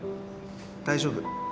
大丈夫